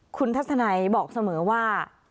คุณทัศนัยบอกเสมอว่า